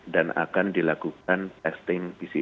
dan akan dilakukan testing pcr